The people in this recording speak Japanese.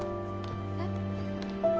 えっ？